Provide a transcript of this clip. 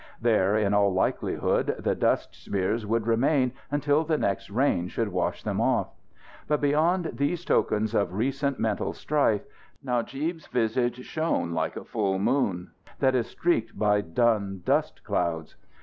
There, in all likelihood, the dust smears would remain until the next rain should wash them off. But, beyond these tokens of recent mental strife, Najib's visage shone like a full moon that is streaked by dun dust clouds.